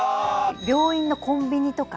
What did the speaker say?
病院のコンビニとか。